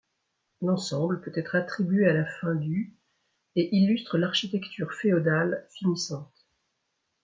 L'ensemble peut être attribué à la fin du et illustre l'architecture féodale finissante.